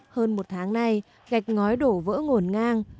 hơn một tháng nay gạch ngói đổ vỡ ngổn ngang